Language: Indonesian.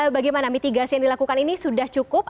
bagaimana mitigasi yang dilakukan ini sudah cukup